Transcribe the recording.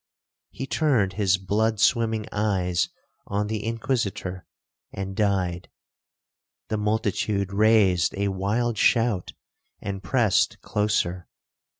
He turned his blood swimming eyes on the Inquisitor, and died. The multitude raised a wild shout, and pressed closer.